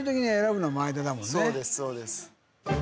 そうですそうです。